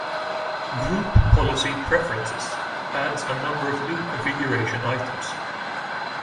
Group Policy Preferences adds a number of new configuration items.